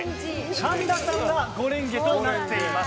神田さんが５レンゲとなっています。